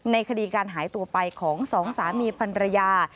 ในคดีการหายตัวไปของสองสามีพันรยา